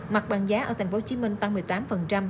mặt bằng giá ở tp hcm tăng một mươi tám